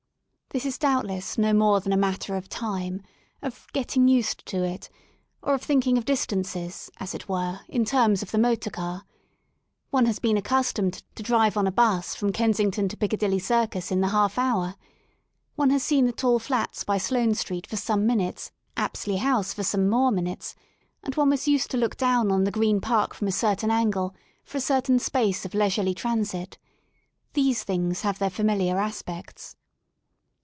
This is doubtless no more than a matter of time, of getting used to it/* or of thinking of distances, as it were, in terms of the motor car. One has been accus tomed to drive on a *bus from Kensington to Piccadilly Circus in the half hour. One has seen the tall flats by Sloane Street for some minutes, Apsley House for some more minutes, and one was used to look down on the Green Park from a certain angle for a certain space of leisurely transit. These things have their familiar aspects.